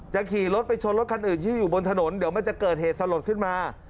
ขี่รถไปชนรถคันอื่นที่อยู่บนถนนเดี๋ยวมันจะเกิดเหตุสลดขึ้นมา